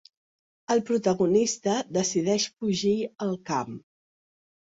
El protagonista decideix fugir al camp.